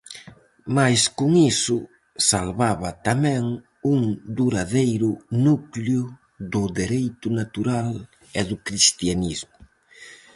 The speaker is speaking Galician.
Mais con iso salvaba tamén un duradeiro núcleo do dereito natural e do cristianismo.